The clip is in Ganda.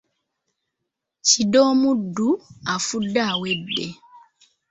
Kidde omuddu afudde awedde.